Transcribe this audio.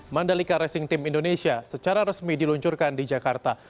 mandalika racing team indonesia secara resmi diluncurkan di jakarta